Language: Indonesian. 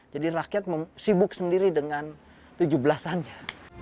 jadi rakyat sibuk sendiri dengan tujuh belasannya